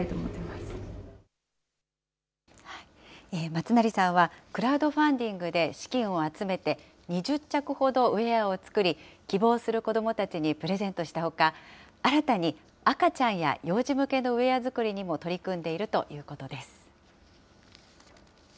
松成さんはクラウドファンディングで資金を集めて、２０着ほどウエアを作り、希望する子どもたちにプレゼントしたほか、新たに赤ちゃんや幼児向けのウエア作りにも取り組んでいるということです。